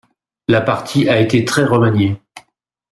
La partie a été très remaniée.